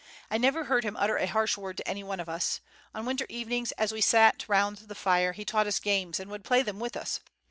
I never heard him utter a harsh word to any one of us. On winter evenings, as we all sat round the fire, he taught us games, and would play them with us.